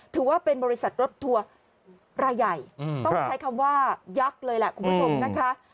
ถือว่าเป็นบริษัทรถทัวร์รายใหญ่ต้องใช้คำว่ายักษ์เลยแหละคุณผู้ชมนะคะ